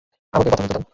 আমাকে কথা বলতে দাও?